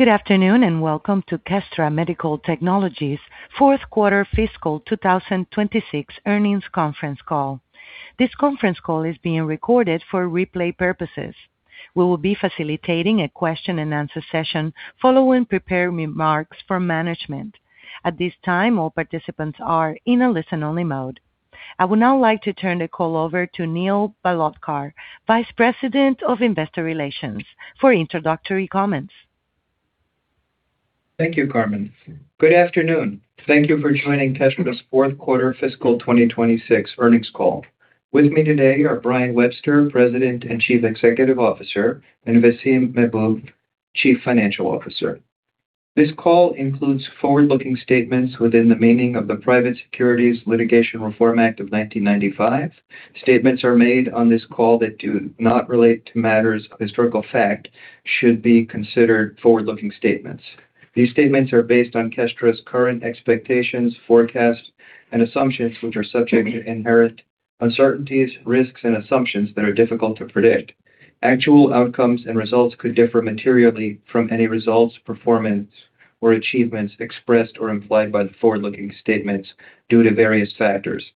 Good afternoon, and welcome to Kestra Medical Technologies' Q4 fiscal 2026 earnings conference call. This conference call is being recorded for replay purposes. We will be facilitating a question-and-answer session following prepared remarks from management. At this time, all participants are in a listen-only mode. I would now like to turn the call over to Neil Bhalodkar, Vice President of Investor Relations, for introductory comments. Thank you, Carmen. Good afternoon. Thank you for joining Kestra's Q4 fiscal 2026 earnings call. With me today are Brian Webster, President and Chief Executive Officer, and Vaseem Mahboob, Chief Financial Officer. This call includes forward-looking statements within the meaning of the Private Securities Litigation Reform Act of 1995. Statements are made on this call that do not relate to matters of historical fact should be considered forward-looking statements. These statements are based on Kestra's current expectations, forecasts, and assumptions, which are subject to inherent uncertainties, risks, and assumptions that are difficult to predict. Actual outcomes and results could differ materially from any results, performance, or achievements expressed or implied by the forward-looking statements due to various factors.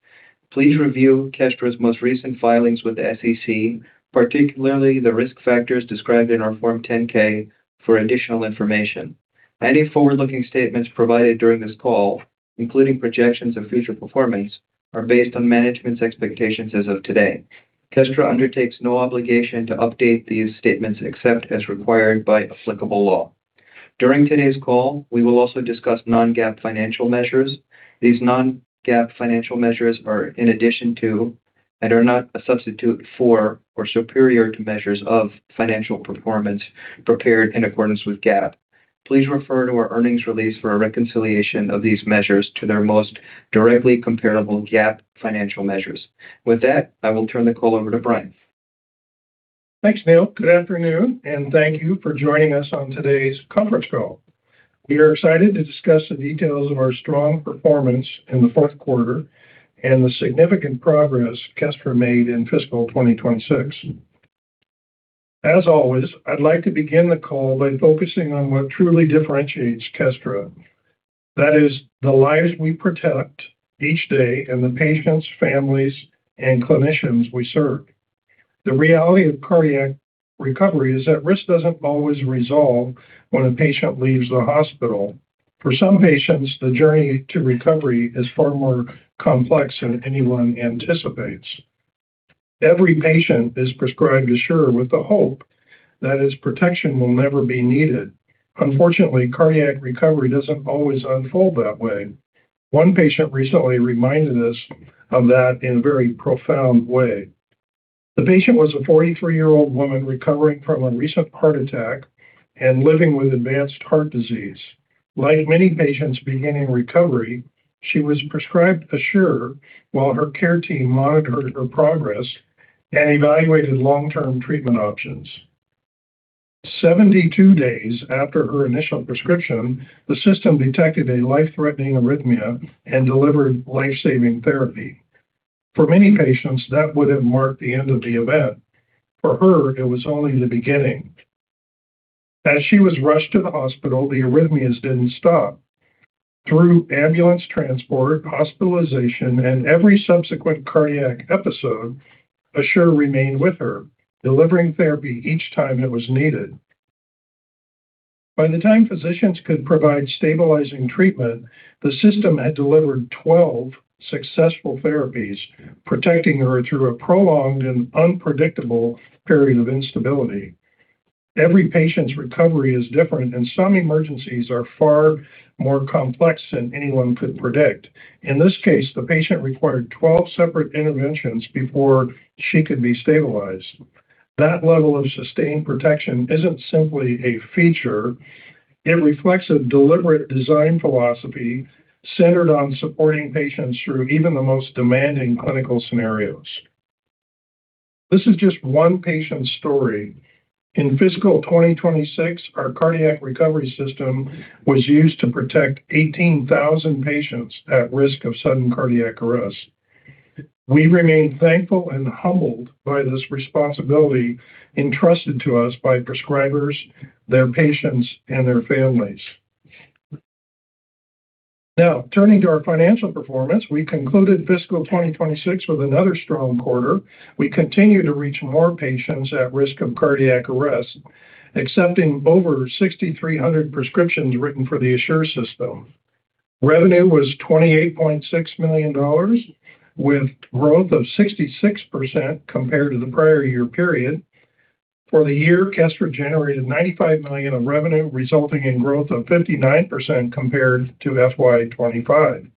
Please review Kestra's most recent filings with the SEC, particularly the risk factors described in our Form 10-K for additional information. Any forward-looking statements provided during this call, including projections of future performance, are based on management's expectations as of today. Kestra undertakes no obligation to update these statements except as required by applicable law. During today's call, we will also discuss non-GAAP financial measures. These non-GAAP financial measures are in addition to, and are not a substitute for or superior to measures of financial performance prepared in accordance with GAAP. Please refer to our earnings release for a reconciliation of these measures to their most directly comparable GAAP financial measures. With that, I will turn the call over to Brian. Thanks, Neil. Good afternoon, and thank you for joining us on today's conference call. We are excited to discuss the details of our strong performance in the Q4 and the significant progress Kestra made in fiscal 2026. As always, I'd like to begin the call by focusing on what truly differentiates Kestra. That is the lives we protect each day and the patients, families, and clinicians we serve. The reality of cardiac recovery is that risk doesn't always resolve when a patient leaves the hospital. For some patients, the journey to recovery is far more complex than anyone anticipates. Every patient is prescribed ASSURE with the hope that its protection will never be needed. Unfortunately, cardiac recovery doesn't always unfold that way. One patient recently reminded us of that in a very profound way. The patient was a 43-year-old woman recovering from a recent heart attack and living with advanced heart disease. Like many patients beginning recovery, she was prescribed ASSURE while her care team monitored her progress and evaluated long-term treatment options. 72 days after her initial prescription, the system detected a life-threatening arrhythmia and delivered life-saving therapy. For many patients, that would have marked the end of the event. For her, it was only the beginning. As she was rushed to the hospital, the arrhythmias didn't stop. Through ambulance transport, hospitalization, and every subsequent cardiac episode, ASSURE remained with her, delivering therapy each time it was needed. By the time physicians could provide stabilizing treatment, the system had delivered 12 successful therapies, protecting her through a prolonged and unpredictable period of instability. Every patient's recovery is different, and some emergencies are far more complex than anyone could predict. In this case, the patient required 12 separate interventions before she could be stabilized. That level of sustained protection isn't simply a feature. It reflects a deliberate design philosophy centered on supporting patients through even the most demanding clinical scenarios. This is just one patient's story. In fiscal 2026, our cardiac recovery system was used to protect 18,000 patients at risk of sudden cardiac arrest. We remain thankful and humbled by this responsibility entrusted to us by prescribers, their patients, and their families. Turning to our financial performance, we concluded fiscal 2026 with another strong quarter. We continue to reach more patients at risk of cardiac arrest, accepting over 6,300 prescriptions written for the ASSURE® system. Revenue was $28.6 million, with growth of 66% compared to the prior year period. For the year, Kestra generated $95 million of revenue, resulting in growth of 59% compared to FY 2025.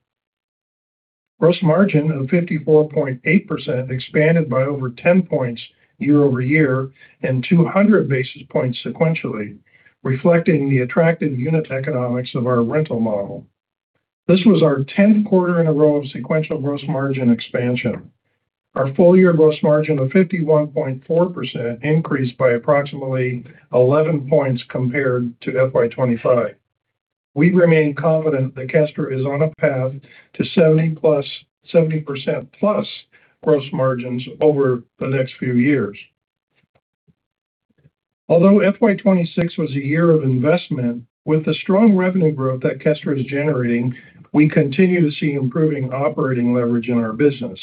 Gross margin of 54.8% expanded by over 10 points year-over-year and 200 basis points sequentially, reflecting the attractive unit economics of our rental model. This was our 10th quarter in a row of sequential gross margin expansion. Our full-year gross margin of 51.4% increased by approximately 11 points compared to FY 2025. We remain confident that Kestra is on a path to 70%+ gross margins over the next few years. Although FY 2026 was a year of investment, with the strong revenue growth that Kestra is generating, we continue to see improving operating leverage in our business.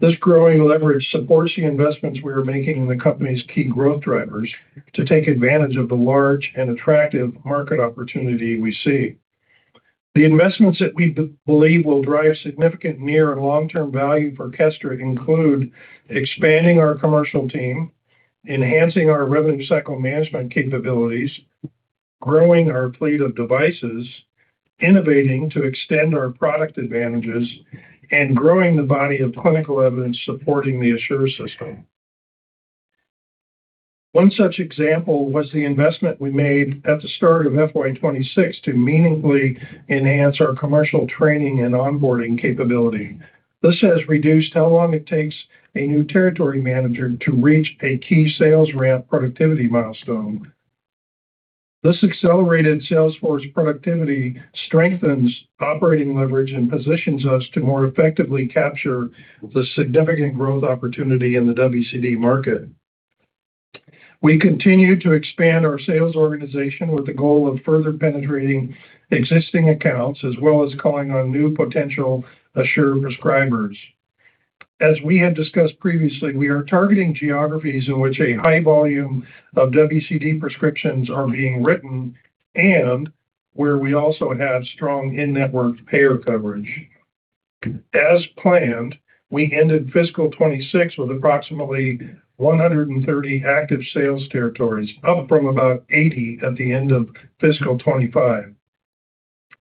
This growing leverage supports the investments we are making in the company's key growth drivers to take advantage of the large and attractive market opportunity we see. The investments that we believe will drive significant near and long-term value for Kestra include expanding our commercial team, enhancing our revenue cycle management capabilities, growing our fleet of devices, innovating to extend our product advantages, and growing the body of clinical evidence supporting the ASSURE® system. One such example was the investment we made at the start of FY 2026 to meaningfully enhance our commercial training and onboarding capability. This has reduced how long it takes a new territory manager to reach a key sales ramp productivity milestone. This accelerated sales force productivity strengthens operating leverage and positions us to more effectively capture the significant growth opportunity in the WCD market. We continue to expand our sales organization with the goal of further penetrating existing accounts as well as calling on new potential ASSURE prescribers. As we had discussed previously, we are targeting geographies in which a high volume of WCD prescriptions are being written and where we also have strong in-network payer coverage. As planned, we ended FY 2026 with approximately 130 active sales territories, up from about 80 at the end of FY 2025.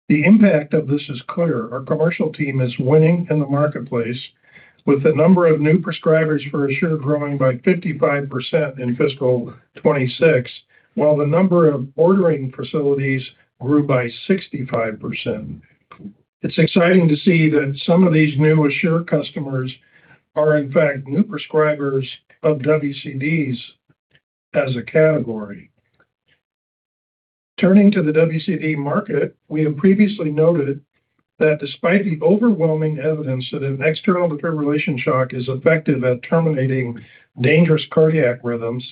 The impact of this is clear. Our commercial team is winning in the marketplace, with the number of new prescribers for ASSURE growing by 55% in FY 2026, while the number of ordering facilities grew by 65%. It's exciting to see that some of these new ASSURE customers are in fact new prescribers of WCDs as a category. Turning to the WCD market, we have previously noted that despite the overwhelming evidence that an external defibrillation shock is effective at terminating dangerous cardiac rhythms,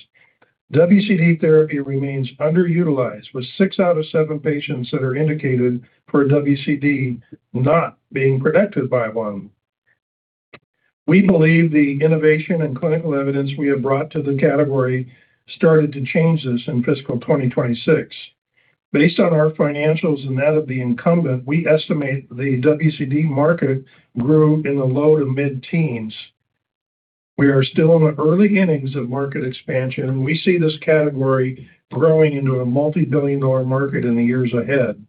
WCD therapy remains underutilized, with six out of seven patients that are indicated for a WCD not being protected by one. We believe the innovation and clinical evidence we have brought to the category started to change this in FY 2026. Based on our financials and that of the incumbent, we estimate the WCD market grew in the low to mid-teens. We are still in the early innings of market expansion. We see this category growing into a multi-billion dollar market in the years ahead.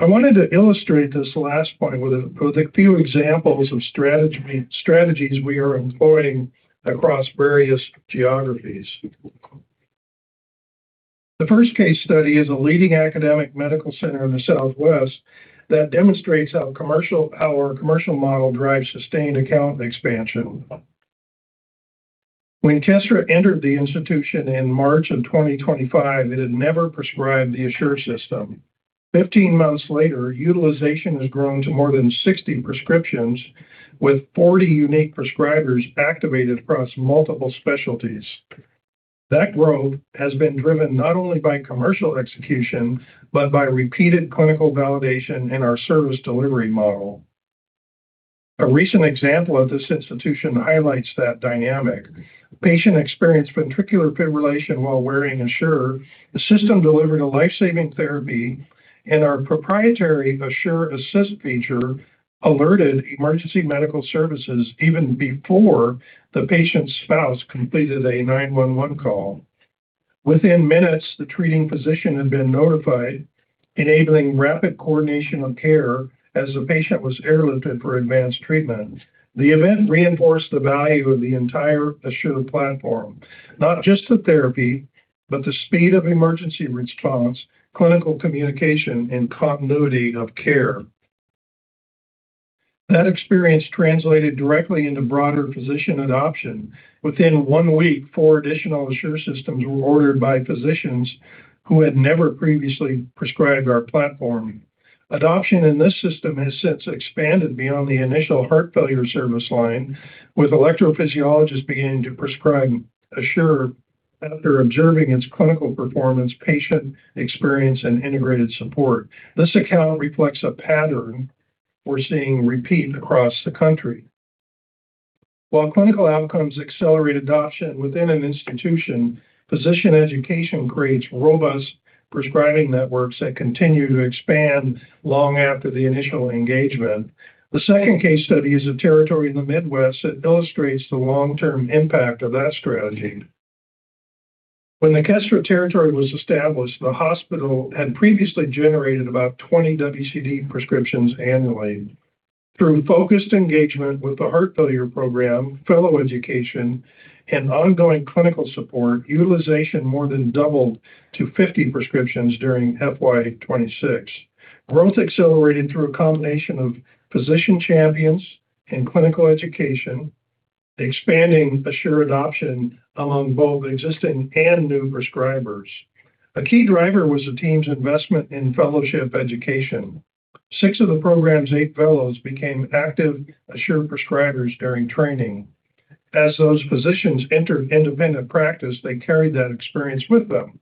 I wanted to illustrate this last point with a few examples of strategies we are employing across various geographies. The first case study is a leading academic medical center in the Southwest that demonstrates how our commercial model drives sustained account expansion. When Kestra entered the institution in March 2025, it had never prescribed the ASSURE system. 15 months later, utilization has grown to more than 60 prescriptions, with 40 unique prescribers activated across multiple specialties. That growth has been driven not only by commercial execution, but by repeated clinical validation in our service delivery model. A recent example of this institution highlights that dynamic. A patient experienced ventricular fibrillation while wearing ASSURE. The system delivered a life-saving therapy, and our proprietary ASSURE Assist feature alerted emergency medical services even before the patient's spouse completed a 911 call. Within minutes, the treating physician had been notified, enabling rapid coordination of care as the patient was airlifted for advanced treatment. The event reinforced the value of the entire ASSURE platform, not just the therapy, but the speed of emergency response, clinical communication, and continuity of care. That experience translated directly into broader physician adoption. Within one week, four additional ASSURE systems were ordered by physicians who had never previously prescribed our platform. Adoption in this system has since expanded beyond the initial heart failure service line, with electrophysiologists beginning to prescribe ASSURE after observing its clinical performance, patient experience, and integrated support. This account reflects a pattern we're seeing repeat across the country. While clinical outcomes accelerate adoption within an institution, physician education creates robust prescribing networks that continue to expand long after the initial engagement. The second case study is a territory in the Midwest that illustrates the long-term impact of that strategy. When the Kestra territory was established, the hospital had previously generated about 20 WCD prescriptions annually. Through focused engagement with the heart failure program, fellow education, and ongoing clinical support, utilization more than doubled to 50 prescriptions during FY 2026. Growth accelerated through a combination of physician champions and clinical education, expanding ASSURE adoption among both existing and new prescribers. A key driver was the team's investment in fellowship education. Six of the program's eight fellows became active ASSURE prescribers during training. As those physicians entered independent practice, they carried that experience with them,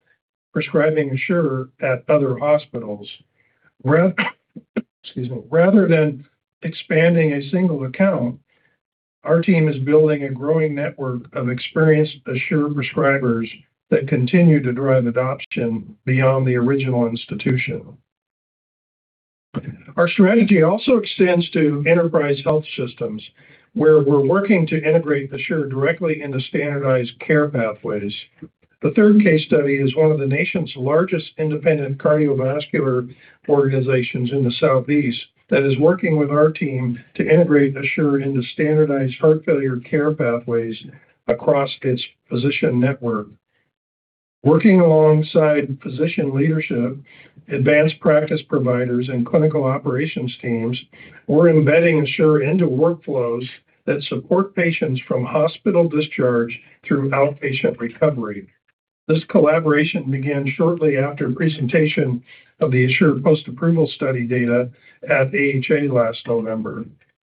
prescribing ASSURE at other hospitals. Rather than expanding a single account, our team is building a growing network of experienced ASSURE prescribers that continue to drive adoption beyond the original institution. Our strategy also extends to enterprise health systems, where we're working to integrate ASSURE directly into standardized care pathways. The third case study is one of the nation's largest independent cardiovascular organizations in the southeast that is working with our team to integrate ASSURE into standardized heart failure care pathways across its physician network. Working alongside physician leadership, advanced practice providers, and clinical operations teams, we're embedding ASSURE into workflows that support patients from hospital discharge through outpatient recovery. This collaboration began shortly after presentation of the ASSURE post-approval study data at AHA last November.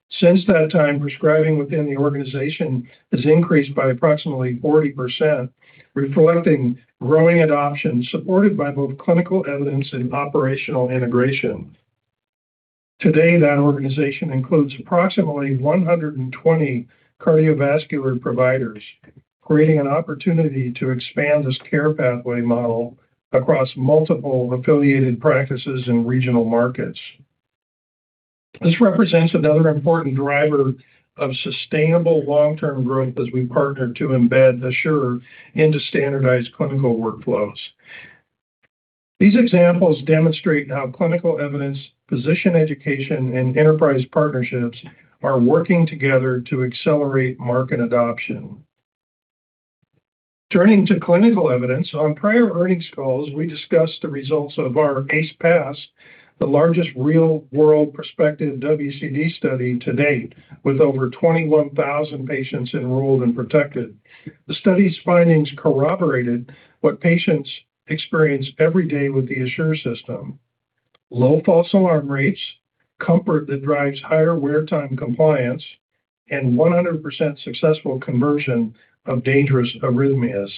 Since that time, prescribing within the organization has increased by approximately 40%, reflecting growing adoption supported by both clinical evidence and operational integration. Today, that organization includes approximately 120 cardiovascular providers, creating an opportunity to expand this care pathway model across multiple affiliated practices and regional markets. This represents another important driver of sustainable long-term growth as we partner to embed ASSURE into standardized clinical workflows. These examples demonstrate how clinical evidence, physician education, and enterprise partnerships are working together to accelerate market adoption. Turning to clinical evidence. On prior earnings calls, we discussed the results of our ACE-PAS, the largest real-world prospective WCD study to date, with over 21,000 patients enrolled and protected. The study's findings corroborated what patients experience every day with the ASSURE system. Low false alarm rates, comfort that drives higher wear time compliance, and 100% successful conversion of dangerous arrhythmias.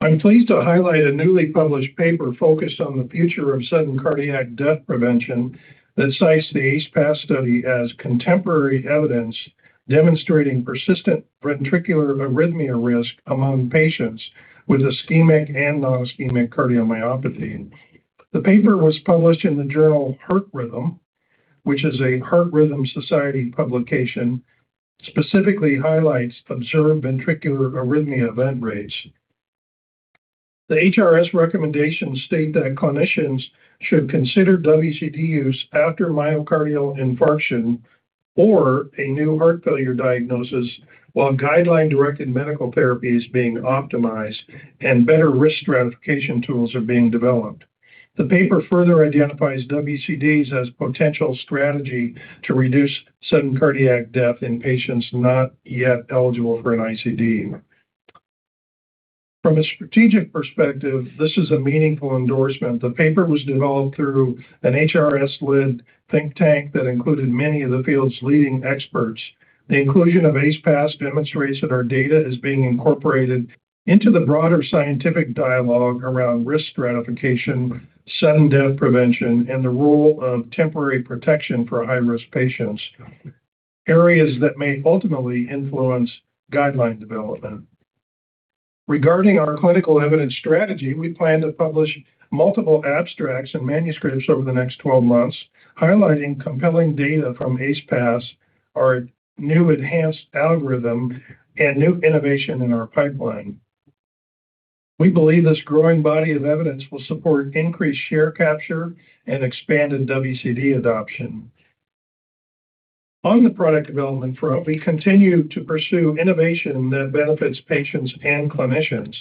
I'm pleased to highlight a newly published paper focused on the future of sudden cardiac death prevention that cites the ACE-PAS study as contemporary evidence demonstrating persistent ventricular arrhythmia risk among patients with ischemic and non-ischemic cardiomyopathy. The paper was published in the journal Heart Rhythm, which is a Heart Rhythm Society publication, specifically highlights observed ventricular arrhythmia event rates. The HRS recommendations state that clinicians should consider WCD use after myocardial infarction or a new heart failure diagnosis while guideline-directed medical therapy is being optimized and better risk stratification tools are being developed. The paper further identifies WCDs as potential strategy to reduce sudden cardiac death in patients not yet eligible for an ICD. From a strategic perspective, this is a meaningful endorsement. The paper was developed through an HRS-led think tank that included many of the field's leading experts. The inclusion of ACE-PAS demonstrates that our data is being incorporated into the broader scientific dialogue around risk stratification, sudden death prevention, and the role of temporary protection for high-risk patients, areas that may ultimately influence guideline development. Regarding our clinical evidence strategy, we plan to publish multiple abstracts and manuscripts over the next 12 months, highlighting compelling data from ACE-PAS, our new enhanced algorithm, and new innovation in our pipeline. We believe this growing body of evidence will support increased share capture and expanded WCD adoption. On the product development front, we continue to pursue innovation that benefits patients and clinicians.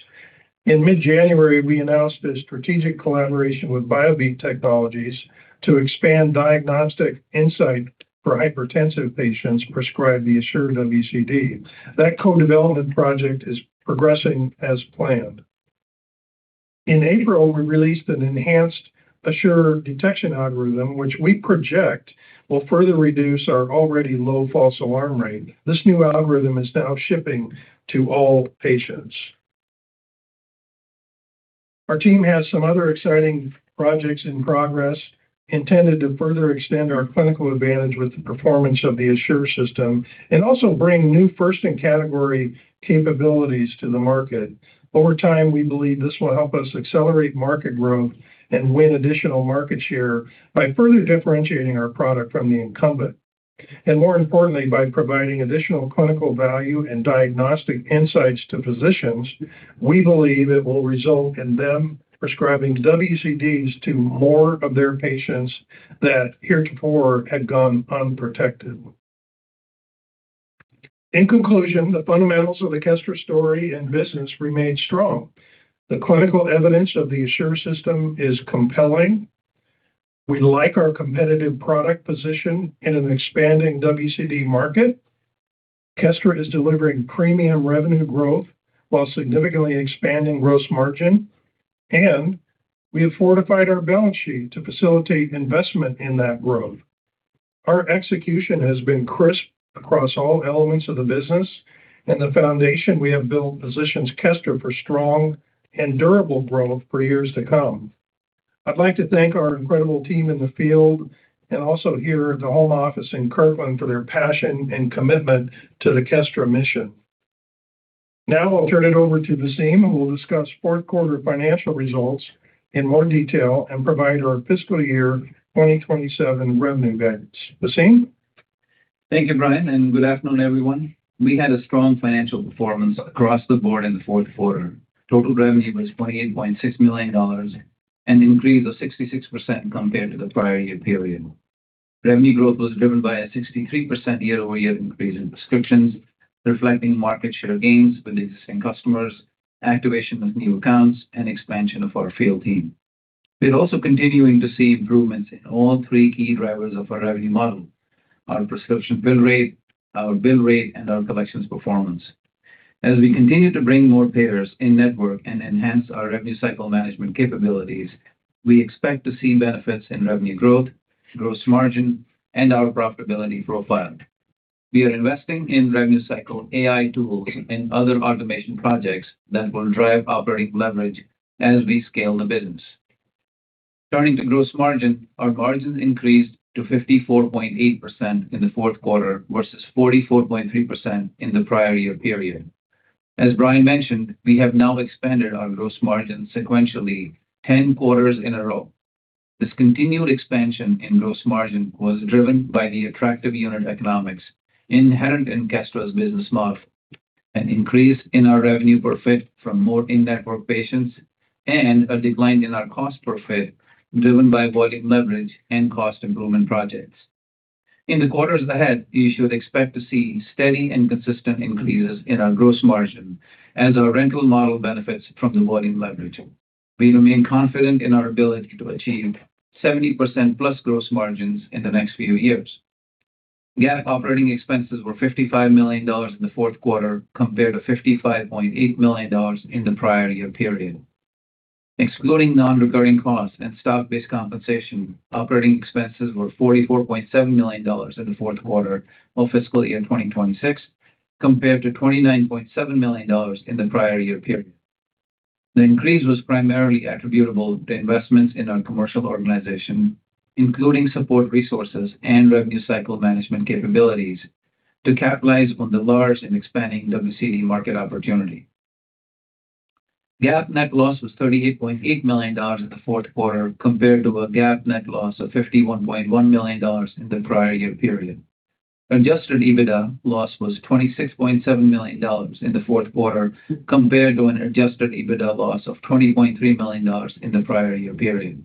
In mid-January, we announced a strategic collaboration with Biobeat Technologies to expand diagnostic insight for hypertensive patients prescribed the ASSURE WCD. That co-development project is progressing as planned. In April, we released an enhanced ASSURE detection algorithm, which we project will further reduce our already low false alarm rate. This new algorithm is now shipping to all patients. Our team has some other exciting projects in progress intended to further extend our clinical advantage with the performance of the ASSURE system and also bring new first-in-category capabilities to the market. Over time, we believe this will help us accelerate market growth and win additional market share by further differentiating our product from the incumbent. More importantly, by providing additional clinical value and diagnostic insights to physicians, we believe it will result in them prescribing WCDs to more of their patients that heretofore had gone unprotected. In conclusion, the fundamentals of the Kestra story and business remain strong. The clinical evidence of the ASSURE system is compelling. We like our competitive product position in an expanding WCD market. Kestra is delivering premium revenue growth while significantly expanding gross margin, and we have fortified our balance sheet to facilitate investment in that growth. Our execution has been crisp across all elements of the business, the foundation we have built positions Kestra for strong and durable growth for years to come. I'd like to thank our incredible team in the field and also here at the home office in Kirkland for their passion and commitment to the Kestra mission. Now I'll turn it over to Vaseem, who will discuss fourth quarter financial results in more detail and provide our fiscal year 2027 revenue guidance. Vaseem? Thank you, Brian, good afternoon, everyone. We had a strong financial performance across the board in the Q4. Total revenue was $28.6 million, an increase of 66% compared to the prior year period. Revenue growth was driven by a 63% year-over-year increase in prescriptions, reflecting market share gains with existing customers, activation of new accounts, and expansion of our field team. We are also continuing to see improvements in all three key drivers of our revenue model, our prescription bill rate, our bill rate, and our collections performance. As we continue to bring more payers in-network and enhance our revenue cycle management capabilities, we expect to see benefits in revenue growth, gross margin, and our profitability profile. We are investing in revenue cycle AI tools and other automation projects that will drive operating leverage as we scale the business. Turning to gross margin, our margins increased to 54.8% in the Q4 versus 44.3% in the prior year period. As Brian mentioned, we have now expanded our gross margin sequentially 10 quarters in a row. This continued expansion in gross margin was driven by the attractive unit economics inherent in Kestra's business model, an increase in our revenue per fit from more in-network patients, and a decline in our cost per fit driven by volume leverage and cost improvement projects. In the quarters ahead, you should expect to see steady and consistent increases in our gross margin as our rental model benefits from the volume leverage. We remain confident in our ability to achieve 70% plus gross margins in the next few years. GAAP operating expenses were $55 million in the Q4, compared to $55.8 million in the prior year period. Excluding non-recurring costs and stock-based compensation, operating expenses were $44.7 million in the Q4 of fiscal year 2026, compared to $29.7 million in the prior year period. The increase was primarily attributable to investments in our commercial organization, including support resources and revenue cycle management capabilities to capitalize on the large and expanding WCD market opportunity. GAAP net loss was $38.8 million in the Q4, compared to a GAAP net loss of $51.1 million in the prior year period. Adjusted EBITDA loss was $26.7 million in the Q4, compared to an adjusted EBITDA loss of $20.3 million in the prior year period.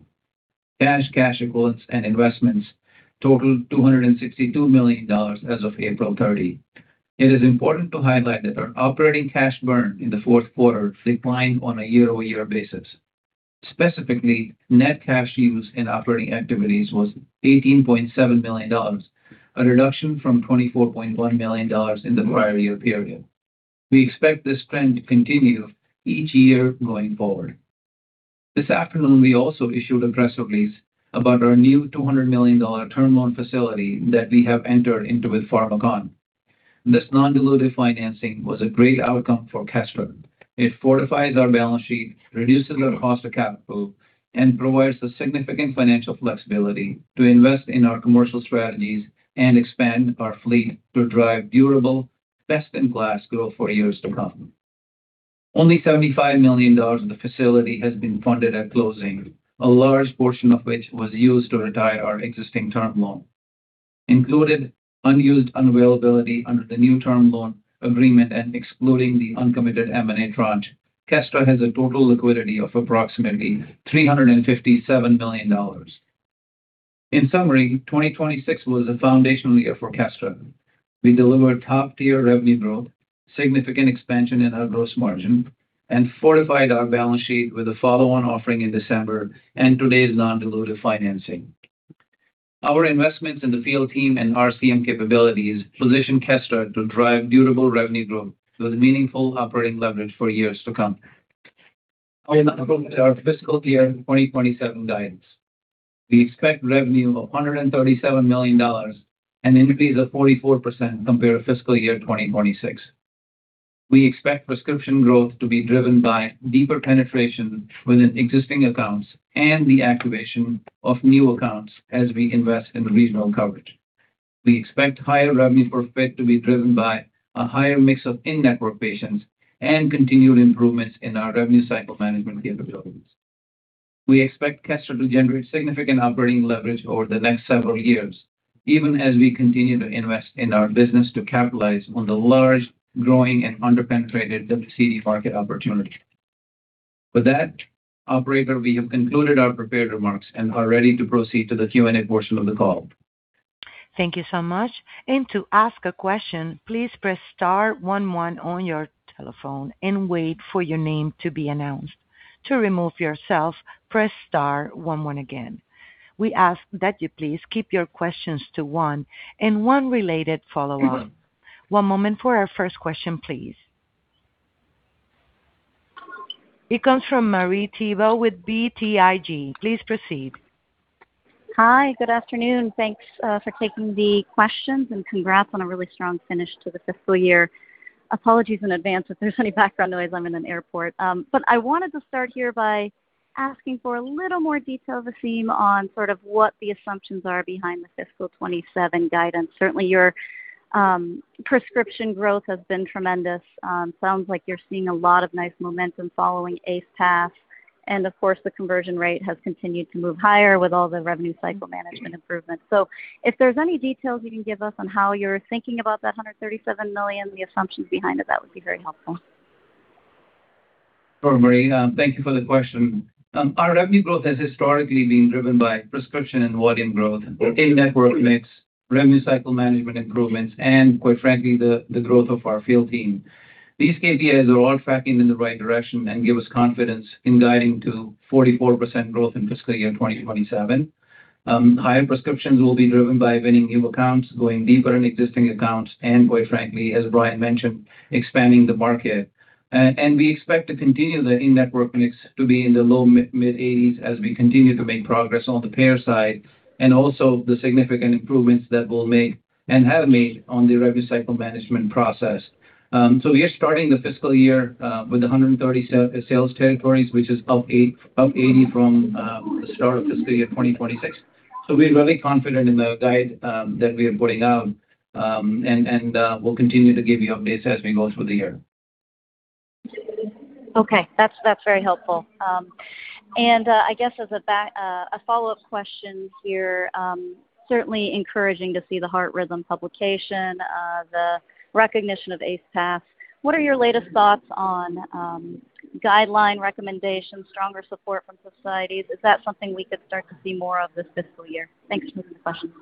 Cash, cash equivalents, and investments totaled $262 million as of April 30. It is important to highlight that our operating cash burn in the Q4 declined on a year-over-year basis. Specifically, net cash use in operating activities was $18.7 million, a reduction from $24.1 million in the prior year period. We expect this trend to continue each year going forward. This afternoon, we also issued a press release about our new $200 million term loan facility that we have entered into with Pharmakon. This non-dilutive financing was a great outcome for Kestra. It fortifies our balance sheet, reduces our cost of capital, and provides the significant financial flexibility to invest in our commercial strategies and expand our fleet to drive durable, best-in-class growth for years to come. Only $75 million of the facility has been funded at closing, a large portion of which was used to retire our existing term loan. Including unused availability under the new term loan agreement and excluding the uncommitted M&A tranche, Kestra has a total liquidity of approximately $357 million. In summary, 2026 was a foundational year for Kestra. We delivered top-tier revenue growth, significant expansion in our gross margin, and fortified our balance sheet with a follow-on offering in December and today's non-dilutive financing. Our investments in the field team and RCM capabilities position Kestra to drive durable revenue growth with meaningful operating leverage for years to come. I will now go over our fiscal year 2027 guidance. We expect revenue of $137 million, an increase of 44% compared to fiscal year 2026. We expect prescription growth to be driven by deeper penetration within existing accounts and the activation of new accounts as we invest in regional coverage. We expect higher revenue per fit to be driven by a higher mix of in-network patients and continued improvements in our revenue cycle management capabilities. We expect Kestra to generate significant operating leverage over the next several years, even as we continue to invest in our business to capitalize on the large, growing, and under-penetrated WCD market opportunity. With that, operator, we have concluded our prepared remarks and are ready to proceed to the Q&A portion of the call. Thank you so much. To ask a question, please press star one one on your telephone and wait for your name to be announced. To remove yourself, press star one one again. We ask that you please keep your questions to one and one related follow-up. One moment for our first question, please. It comes from Marie Thibault with BTIG. Please proceed. Hi. Good afternoon. Thanks for taking the questions, and congrats on a really strong finish to the fiscal year. Apologies in advance if there's any background noise. I'm in an airport. I wanted to start here by asking for a little more detail, Vaseem, on sort of what the assumptions are behind the fiscal year 2027 guidance. Certainly, your prescription growth has been tremendous. Sounds like you're seeing a lot of nice momentum following ACE-PAS. The conversion rate has continued to move higher with all the revenue cycle management improvements. If there's any details you can give us on how you're thinking about that $137 million, the assumptions behind it, that would be very helpful. Sure, Marie. Thank you for the question. Our revenue growth has historically been driven by prescription and volume growth, in-network mix, revenue cycle management improvements, and quite frankly, the growth of our field team. These KPIs are all tracking in the right direction and give us confidence in guiding to 44% growth in fiscal year 2027. Higher prescriptions will be driven by winning new accounts, going deeper in existing accounts, and quite frankly, as Brian mentioned, expanding the market. We expect to continue the in-network mix to be in the low mid-eighties as we continue to make progress on the payer side, and also the significant improvements that we'll make and have made on the revenue cycle management process. We are starting the fiscal year with 137 sales territories, which is up from 80 at the start of fiscal year 2026. We're really confident in the guide that we are putting out, and we'll continue to give you updates as we go through the year. Okay. That's very helpful. I guess as a follow-up question here, certainly encouraging to see the Heart Rhythm publication, the recognition of ACE-PAS. What are your latest thoughts on guideline recommendations, stronger support from societies? Is that something we could start to see more of this fiscal year? Thanks for the question.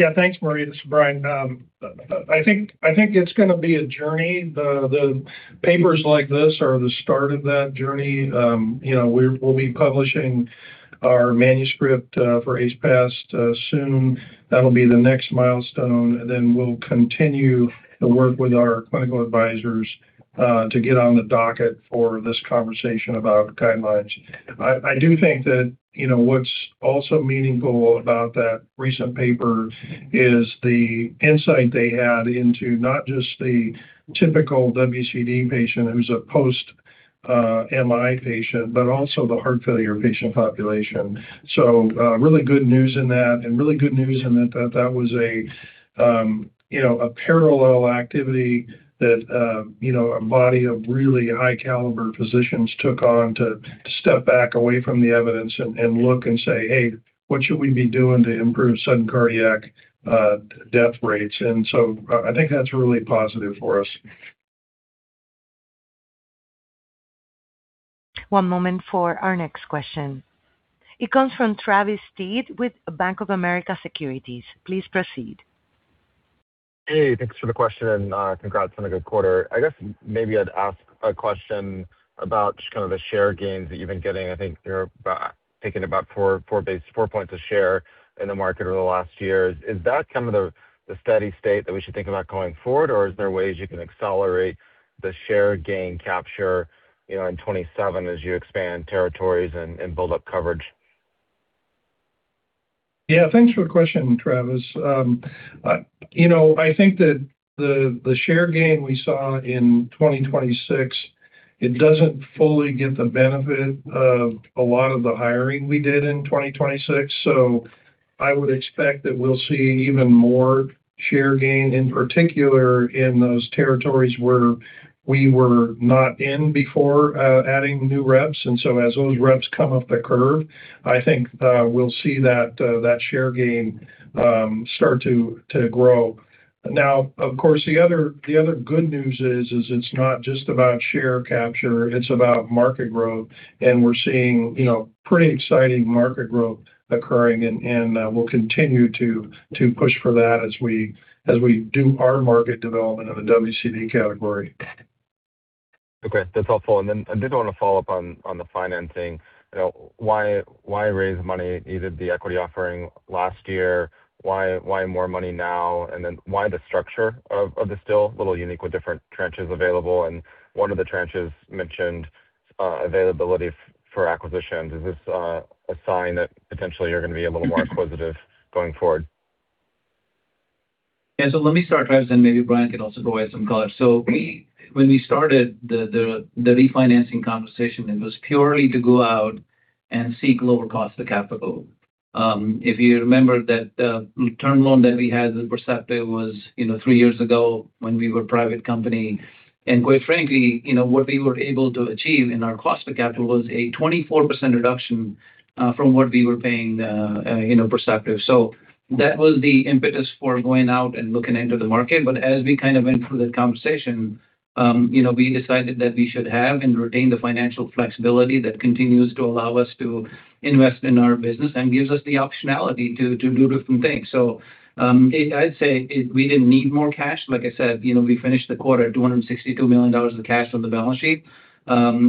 Yeah. Thanks, Marie. This is Brian. I think it's going to be a journey. The papers like this are the start of that journey. We'll be publishing our manuscript for ACE-PAS soon. That'll be the next milestone, and then we'll continue to work with our clinical advisors to get on the docket for this conversation about guidelines. I do think that what's also meaningful about that recent paper is the insight they had into not just the typical WCD patient who's a post-MI patient, but also the heart failure patient population. Really good news in that, and really good news in that that was a parallel activity that a body of really high-caliber physicians took on to step back away from the evidence and look and say, "Hey, what should we be doing to improve sudden cardiac death rates?" I think that's really positive for us. One moment for our next question. It comes from Travis Steed with Bank of America Securities. Please proceed. Hey, thanks for the question, and congrats on a good quarter. I guess maybe I'd ask a question about just kind of the share gains that you've been getting. I think you're taking about four points a share in the market over the last year. Is that kind of the steady state that we should think about going forward, or are there ways you can accelerate the share gain capture in 2027 as you expand territories and build up coverage? Yeah, thanks for the question, Travis. I think that the share gain we saw in 2026, it doesn't fully get the benefit of a lot of the hiring we did in 2026. I would expect that we'll see even more share gain, in particular in those territories where we were not in before adding new reps. As those reps come up the curve, I think we'll see that share gain start to grow. Now, of course, the other good news is it's not just about share capture, it's about market growth. We're seeing pretty exciting market growth occurring, and we'll continue to push for that as we do our market development of the WCD category. Okay. That's helpful. I did want to follow up on the financing. Why raise money, either the equity offering last year? Why more money now, why the structure of this? Still a little unique with different tranches available, and one of the tranches mentioned availability for acquisitions. Is this a sign that potentially you're going to be a little more acquisitive going forward? Yeah. Let me start, Travis, and maybe Brian can also provide some color. When we started the refinancing conversation, it was purely to go out and seek lower cost of capital. If you remember that the term loan that we had in Perceptive was three years ago when we were a private company. Quite frankly, what we were able to achieve in our cost of capital was a 24% reduction from what we were paying Perceptive. That was the impetus for going out and looking into the market. As we went through that conversation, we decided that we should have and retain the financial flexibility that continues to allow us to invest in our business and gives us the optionality to do different things. I'd say we didn't need more cash. Like I said, we finished the quarter at $262 million of cash on the balance sheet.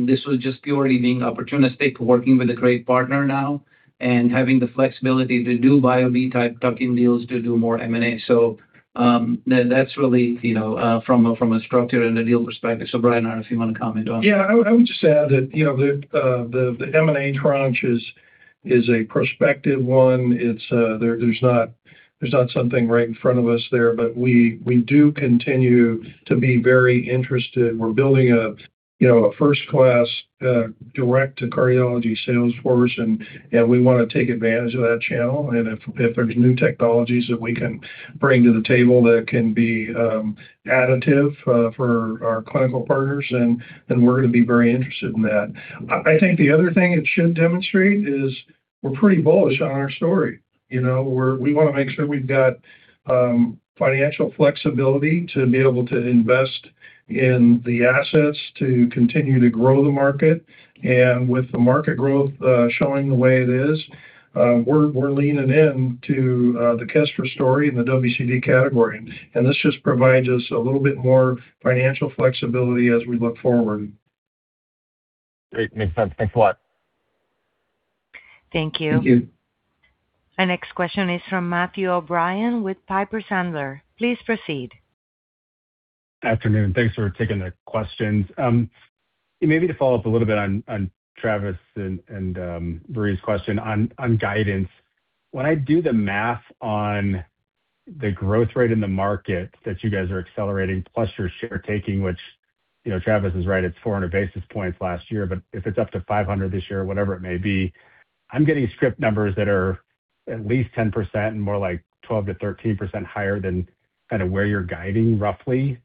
This was just purely being opportunistic, working with a great partner now, and having the flexibility to do buy or be type tuck-in deals to do more M&A. That's really from a structure and a deal perspective. Brian, I don't know if you want to comment on that. Yeah, I would just add that the M&A tranche is a prospective one. There's not something right in front of us there, we do continue to be very interested. We're building a first-class direct-to-cardiology sales force, we want to take advantage of that channel. If there's new technologies that we can bring to the table that can be additive for our clinical partners then we're going to be very interested in that. I think the other thing it should demonstrate is we're pretty bullish on our story. We want to make sure we've got financial flexibility to be able to invest in the assets to continue to grow the market. With the market growth showing the way it is, we're leaning in to the Kestra story and the WCD category. This just provides us a little bit more financial flexibility as we look forward. Great. Makes sense. Thanks a lot. Thank you. Thank you. Our next question is from Matthew O'Brien with Piper Sandler. Please proceed. Afternoon. Thanks for taking the questions. Maybe to follow up a little bit on Travis and Marie's question on guidance. When I do the math on the growth rate in the market that you guys are accelerating, plus your share taking, which, Travis is right, it's 400 basis points last year, but if it's up to 500 this year, whatever it may be, I'm getting script numbers that are at least 10% and more like 12%-13% higher than where you're guiding, roughly.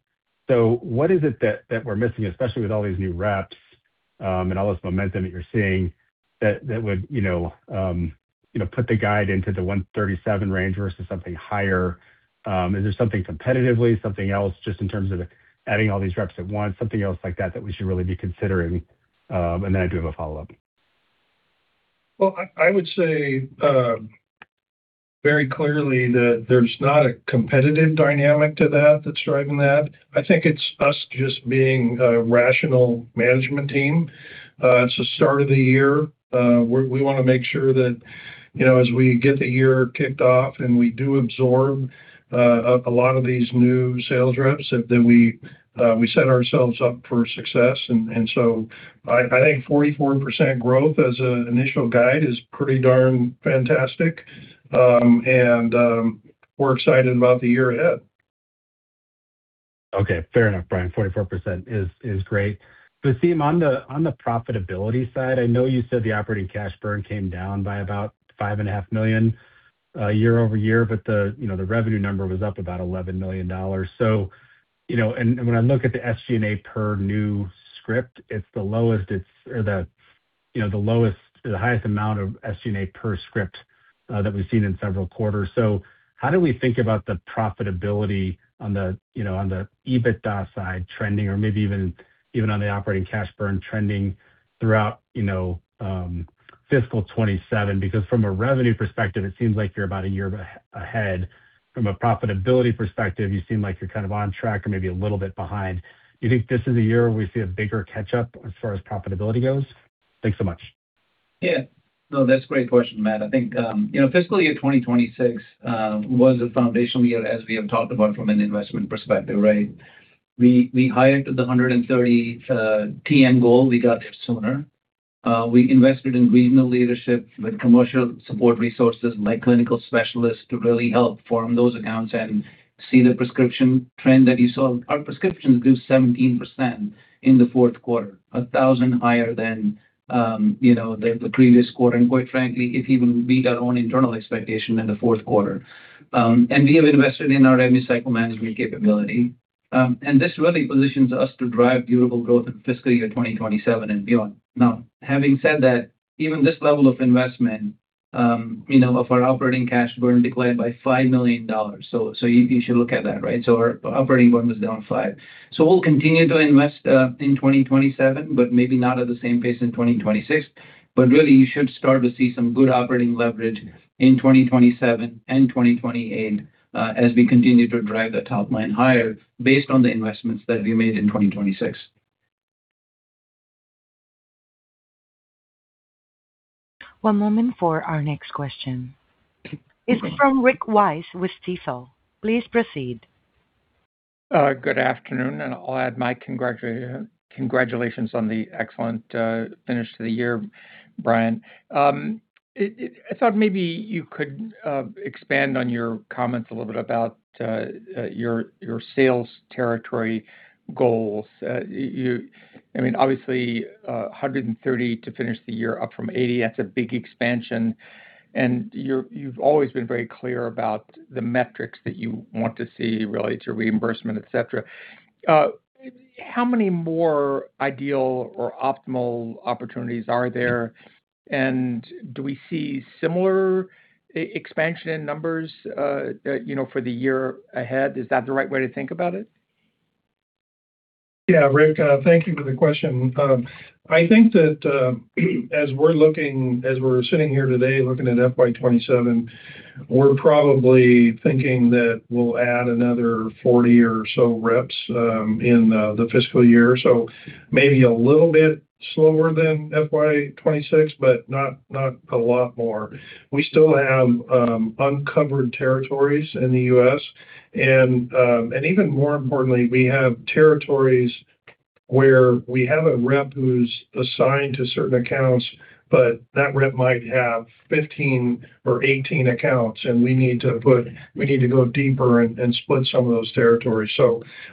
What is it that we're missing, especially with all these new reps, and all this momentum that you're seeing that would put the guide into the $137 range versus something higher? Is there something competitively, something else just in terms of adding all these reps at once, something else like that we should really be considering? Then I do have a follow-up. Well, I would say very clearly that there's not a competitive dynamic to that's driving that. I think it's us just being a rational management team. It's the start of the year. We want to make sure that as we get the year kicked off and we do absorb a lot of these new sales reps, that we set ourselves up for success. I think 44% growth as an initial guide is pretty darn fantastic. We're excited about the year ahead. Fair enough, Brian. 44% is great. Vaseem, on the profitability side, I know you said the operating cash burn came down by about $5 and a half million year-over-year, the revenue number was up about $11 million. When I look at the SG&A per new script, it's the highest amount of SG&A per script that we've seen in several quarters. How do we think about the profitability on the EBITDA side trending or maybe even on the operating cash burn trending throughout fiscal 2027? From a revenue perspective, it seems like you're about a year ahead. From a profitability perspective, you seem like you're on track or maybe a little bit behind. You think this is a year we see a bigger catch-up as far as profitability goes? Thanks so much. That's a great question, Matt. I think, fiscal year 2026 was a foundational year as we have talked about from an investment perspective, right? We hired the 130 TN goal. We got there sooner. We invested in regional leadership with commercial support resources like clinical specialists to really help form those accounts and see the prescription trend that you saw. Our prescriptions grew 17% in the Q4, 1,000 higher than the previous quarter, and quite frankly, it even beat our own internal expectation in the fourth quarter. We have invested in our Revenue Cycle Management capability. This really positions us to drive durable growth in fiscal year 2027 and beyond. Having said that, even this level of investment, our operating cash burn declined by $5 million. You should look at that, right? Our operating burn was down $5 million. We'll continue to invest in 2027, but maybe not at the same pace in 2026. Really, you should start to see some good operating leverage in 2027 and 2028, as we continue to drive the top line higher based on the investments that we made in 2026. One moment for our next question. It's from Rick Wise with Stifel. Please proceed. Good afternoon. I'll add my congratulations on the excellent finish to the year, Brian. I thought maybe you could expand on your comments a little bit about your sales territory goals. Obviously, 130 to finish the year up from 80, that's a big expansion, and you've always been very clear about the metrics that you want to see related to reimbursement, et cetera. How many more ideal or optimal opportunities are there? Do we see similar expansion in numbers for the year ahead? Is that the right way to think about it? Yeah, Rick, thank you for the question. I think that as we're sitting here today looking at FY 2027, we're probably thinking that we'll add another 40 or so reps in the fiscal year. Maybe a little bit slower than FY 2026, but not a lot more. We still have uncovered territories in the U.S., and even more importantly, we have territories where we have a rep who's assigned to certain accounts, but that rep might have 15 or 18 accounts and we need to go deeper and split some of those territories.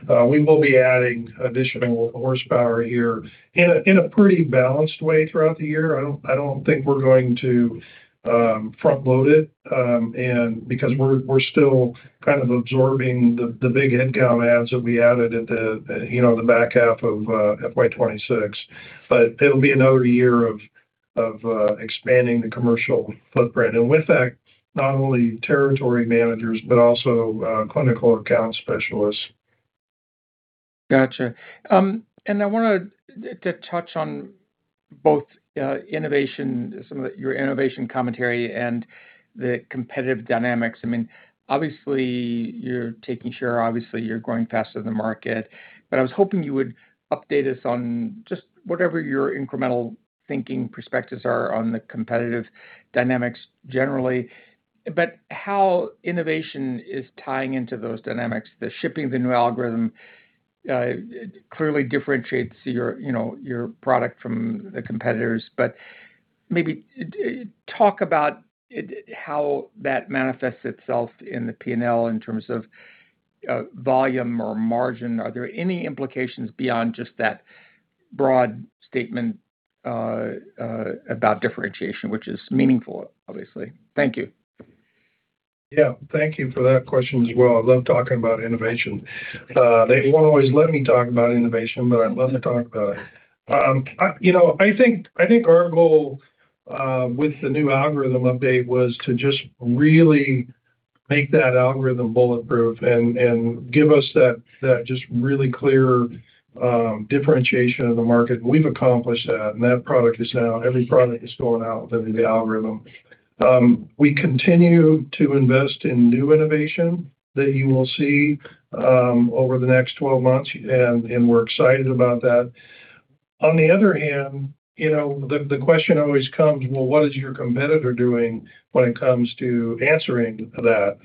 We will be adding additional horsepower here in a pretty balanced way throughout the year. I don't think we're going to front-load it because we're still kind of absorbing the big income adds that we added at the back half of FY 2026. It'll be another year of expanding the commercial footprint. With that, not only territory managers, but also clinical account specialists. Got you. I wanted to touch on both some of your innovation commentary and the competitive dynamics. Obviously, you're taking share, obviously, you're growing faster than the market. I was hoping you would update us on just whatever your incremental thinking perspectives are on the competitive dynamics generally, but how innovation is tying into those dynamics. The shipping of the new algorithm clearly differentiates your product from the competitors. Maybe talk about how that manifests itself in the P&L in terms of volume or margin. Are there any implications beyond just that broad statement about differentiation, which is meaningful, obviously? Thank you. Yeah. Thank you for that question as well. I love talking about innovation. They won't always let me talk about innovation, but I love to talk about it. I think our goal with the new algorithm update was to just really make that algorithm bulletproof and give us that just really clear differentiation of the market. We've accomplished that. That product is now every product is going out with the new algorithm. We continue to invest in new innovation that you will see over the next 12 months. We're excited about that. On the other hand, the question always comes, well, what is your competitor doing when it comes to answering that?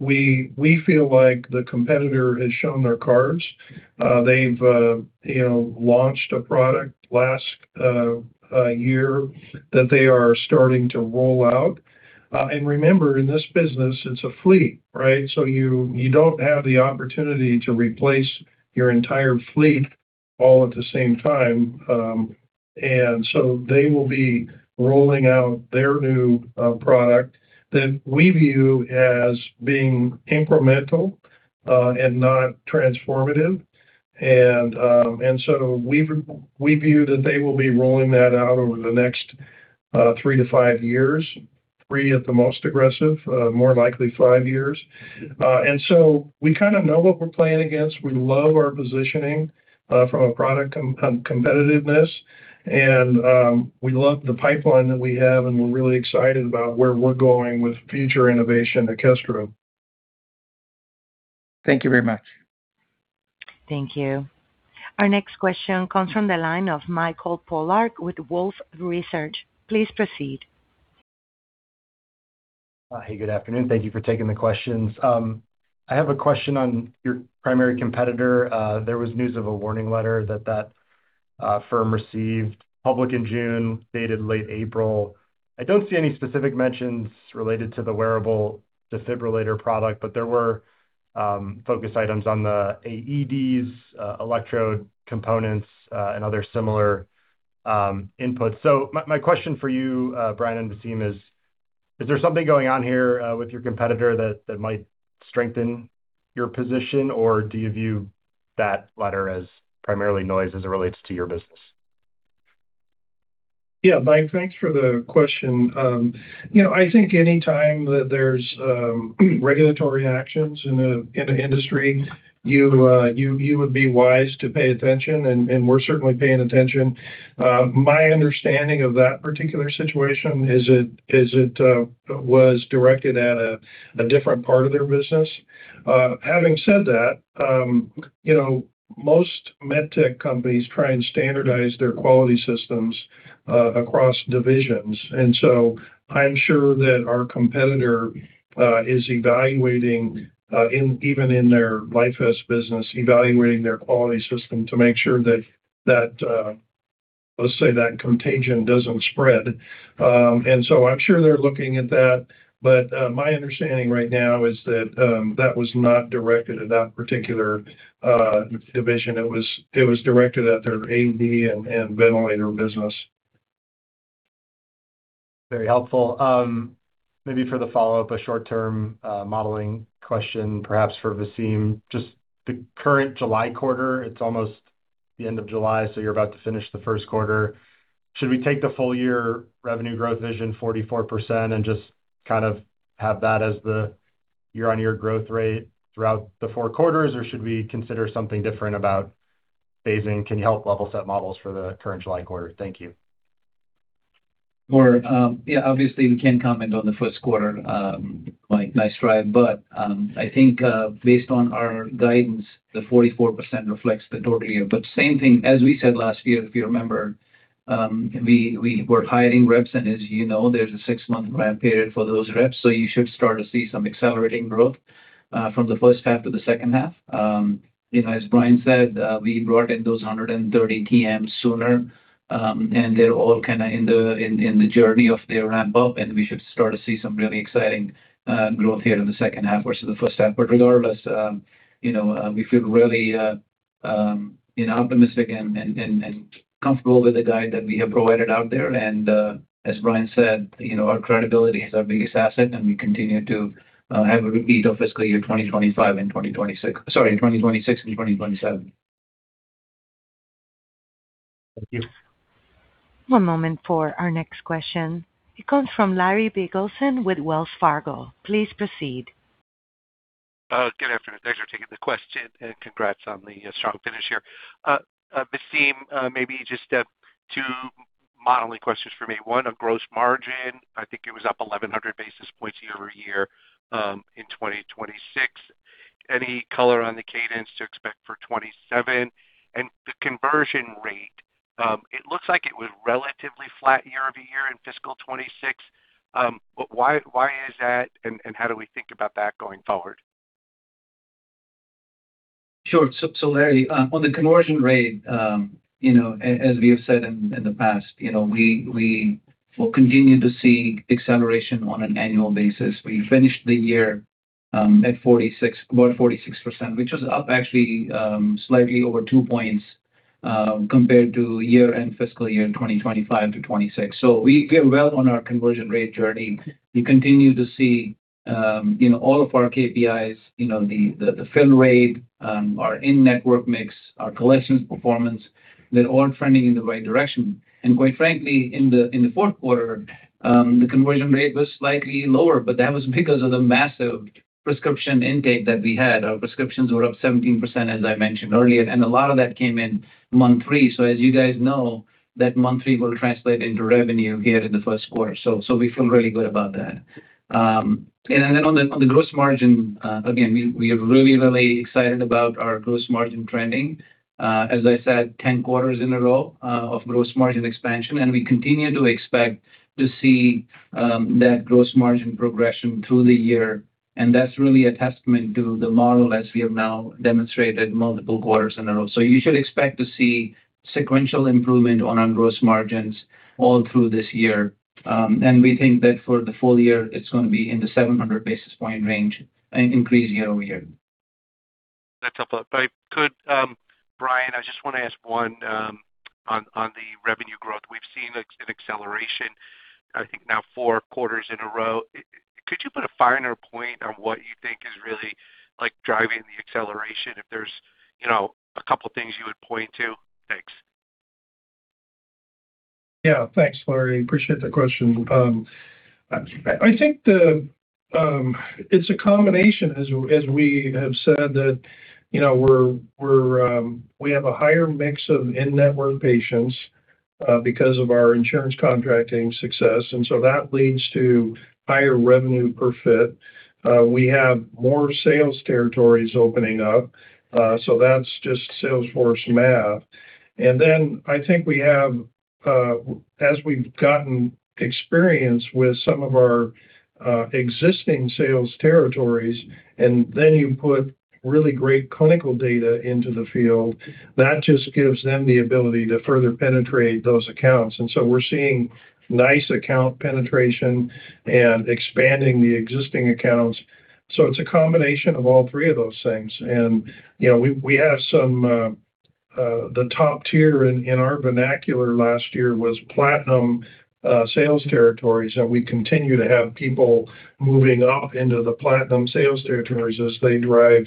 We feel like the competitor has shown their cards. They've launched a product last year that they are starting to roll out. Remember, in this business, it's a fleet, right? You don't have the opportunity to replace your entire fleet all at the same time. They will be rolling out their new product that we view as being incremental and not transformative. We view that they will be rolling that out over the next three - five years, three at the most aggressive, more likely five years. We kind of know what we're playing against. We love our positioning from a product competitiveness. We love the pipeline that we have. We're really excited about where we're going with future innovation at Kestra. Thank you very much. Thank you. Our next question comes from the line of Michael Polark with Wolfe Research. Please proceed. Hey, good afternoon. Thank you for taking the questions. I have a question on your primary competitor. There was news of a warning letter that that firm received public in June, dated late April. I don't see any specific mentions related to the wearable defibrillator product, but there were focus items on the AEDs, electrode components, and other similar inputs. My question for you, Brian and Vaseem is there something going on here with your competitor that might strengthen your position, or do you view that letter as primarily noise as it relates to your business? Yeah. Mike, thanks for the question. I think anytime that there's regulatory actions in the industry, you would be wise to pay attention, and we're certainly paying attention. My understanding of that particular situation is it was directed at a different part of their business. Having said that, most med tech companies try and standardize their quality systems across divisions. I'm sure that our competitor is evaluating, even in their LifeVest business, evaluating their quality system to make sure that, let's say, that contagion doesn't spread. I'm sure they're looking at that, but my understanding right now is that was not directed at that particular division. It was directed at their AED and ventilator business. Very helpful. Maybe for the follow-up, a short-term modeling question, perhaps for Vaseem, just the current July quarter, it's almost the end of July, so you're about to finish the first quarter. Should we take the full year revenue growth vision 44% and just have that as the year-on-year growth rate throughout the four quarters or should we consider something different about phasing? Can you help level set models for the current July quarter? Thank you. Sure. Yeah, obviously, we can't comment on the first quarter, Mike. Nice try. I think, based on our guidance, the 44% reflects the total year. Same thing as we said last year, if you remember, we were hiring reps and as you know, there's a six-month ramp period for those reps, so you should start to see some accelerating growth, from the first half to the second half. As Brian said, we brought in those 130 PMs sooner, and they're all in the journey of their ramp-up, and we should start to see some really exciting growth here in the second half versus the first half. Regardless, we feel really optimistic and comfortable with the guide that we have provided out there. As Brian said, our credibility is our biggest asset, and we continue to have a repeat of fiscal year 2026 and 2027. Thank you. One moment for our next question. It comes from Larry Biegelsen with Wells Fargo. Please proceed. Good afternoon. Thanks for taking the question and congrats on the strong finish here. Vaseem, maybe just two modeling questions for me. One, on gross margin. I think it was up 1,100 basis points year-over-year in 2026. Any color on the cadence to expect for 2027? The conversion rate, it looks like it was relatively flat year-over-year in fiscal 2026. Why is that, and how do we think about that going forward? Sure. Larry, on the conversion rate, as we have said in the past, we will continue to see acceleration on an annual basis. We finished the year, about 46%, which was up actually, slightly over two points, compared to fiscal year 2025 to 2026. We did well on our conversion rate journey. We continue to see all of our KPIs, the fill rate, our in-network mix, our collections performance, they're all trending in the right direction. Quite frankly, in the Q4, the conversion rate was slightly lower, but that was because of the massive prescription intake that we had. Our prescriptions were up 17%, as I mentioned earlier, and a lot of that came in month three. As you guys know, that month three will translate into revenue here in the Q1. We feel really good about that. On the gross margin, again, we are really, really excited about our gross margin trending. As I said, 10 quarters in a row of gross margin expansion, we continue to expect to see that gross margin progression through the year, and that's really a testament to the model as we have now demonstrated multiple quarters in a row. You should expect to see sequential improvement on our gross margins all through this year. We think that for the full year, it's going to be in the 700 basis point range increase year-over-year. That's helpful. If I could, Brian, I just want to ask one on the revenue growth. We've seen an acceleration, I think now four quarters in a row. Could you put a finer point on what you think is really driving the acceleration? If there's a couple things you would point to? Thanks. Thanks, Larry. Appreciate the question. I think it's a combination, as we have said, that we have a higher mix of in-network patients because of our insurance contracting success, that leads to higher revenue per fit. We have more sales territories opening up, that's just salesforce math. I think we have, as we've gotten experience with some of our existing sales territories, you put really great clinical data into the field, that just gives them the ability to further penetrate those accounts. We're seeing nice account penetration and expanding the existing accounts. It's a combination of all three of those things. The top tier in our vernacular last year was platinum sales territories, we continue to have people moving up into the platinum sales territories as they drive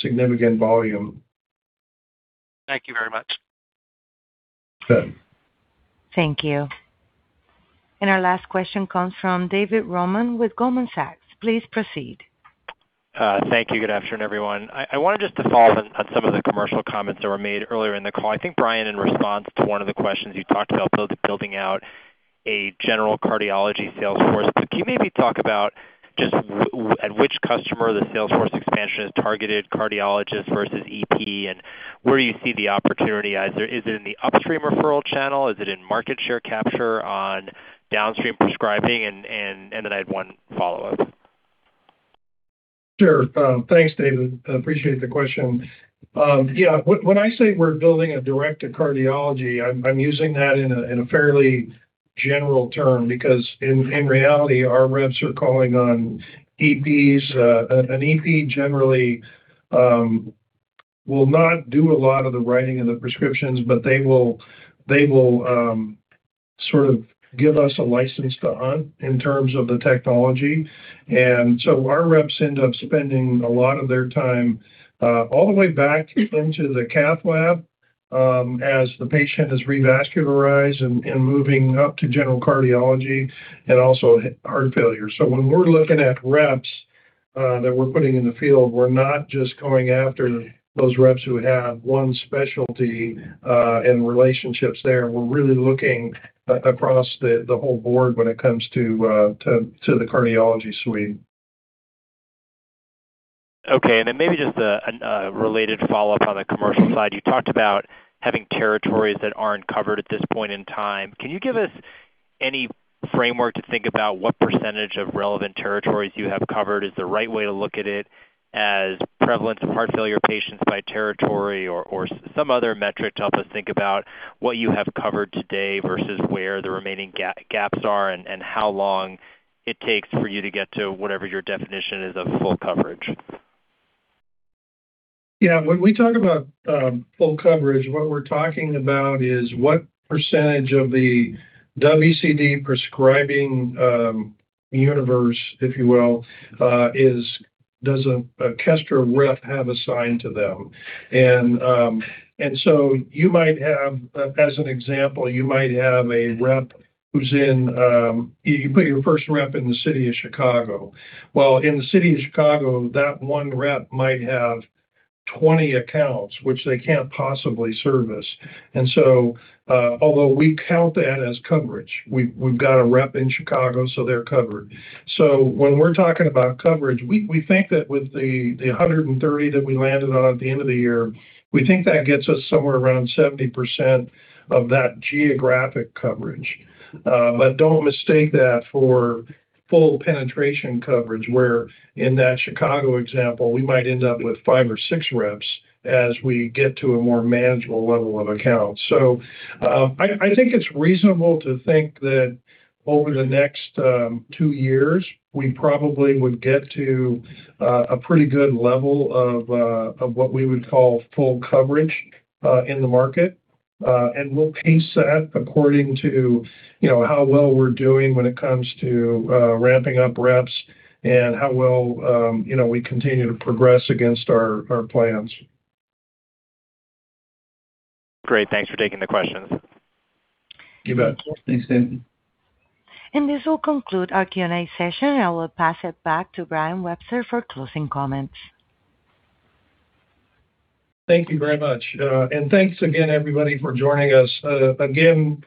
significant volume. Thank you very much. Okay. Thank you. Our last question comes from David Roman with Goldman Sachs. Please proceed. Thank you. Good afternoon, everyone. I want to just follow on some of the commercial comments that were made earlier in the call. I think, Brian, in response to one of the questions, you talked about building out a general cardiology sales force. Can you maybe talk about just at which customer the sales force expansion has targeted cardiologists versus EP, and where you see the opportunity? Is it in the upstream referral channel? Is it in market share capture on downstream prescribing? I had one follow-up. Sure. Thanks, David. Appreciate the question. Yeah. When I say we're building a direct to cardiology, I'm using that in a fairly general term because in reality, our reps are calling on EPs. An EP generally will not do a lot of the writing of the prescriptions, but they will sort of give us a license to hunt in terms of the technology. Our reps end up spending a lot of their time all the way back into the cath lab as the patient is revascularized and moving up to general cardiology and also heart failure. When we're looking at reps that we're putting in the field, we're not just going after those reps who have one specialty and relationships there. We're really looking across the whole board when it comes to the cardiology suite. Okay. Maybe just a related follow-up on the commercial side. You talked about having territories that aren't covered at this point in time. Can you give us any framework to think about what % of relevant territories you have covered? Is the right way to look at it as prevalence of heart failure patients by territory or some other metric to help us think about what you have covered today versus where the remaining gaps are and how long it takes for you to get to whatever your definition is of full coverage? Yeah. When we talk about full coverage, what we're talking about is what % of the WCD prescribing universe, if you will, does a Kestra rep have assigned to them. You might have, as an example, you might have a rep who's in. You put your first rep in the city of Chicago. Well, in the city of Chicago, that one rep might have 20 accounts, which they can't possibly service. Although we count that as coverage, we've got a rep in Chicago, so they're covered. When we're talking about coverage, we think that with the 130 that we landed on at the end of the year, we think that gets us somewhere around 70% of that geographic coverage. Don't mistake that for full penetration coverage, where in that Chicago example, we might end up with five or six reps as we get to a more manageable level of accounts. I think it's reasonable to think that over the next two years, we probably would get to a pretty good level of what we would call full coverage in the market. We'll pace that according to how well we're doing when it comes to ramping up reps and how well we continue to progress against our plans. Great. Thanks for taking the questions. You bet. Thanks, David. This will conclude our Q&A session, and I will pass it back to Brian Webster for closing comments. Thank you very much. Thanks again, everybody, for joining us. Again,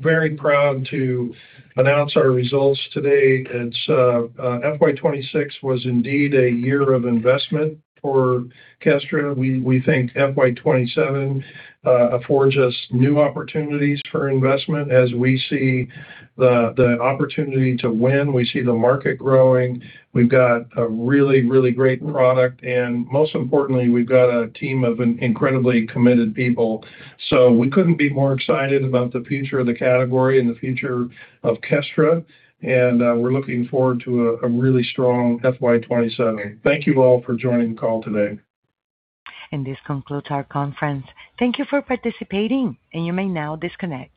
very proud to announce our results today. FY 2026 was indeed a year of investment for Kestra. We think FY 2027 affords us new opportunities for investment as we see the opportunity to win. We see the market growing. We've got a really great product, and most importantly, we've got a team of incredibly committed people. We couldn't be more excited about the future of the category and the future of Kestra, and we're looking forward to a really strong FY 2027. Thank you all for joining the call today. This concludes our conference. Thank you for participating, and you may now disconnect.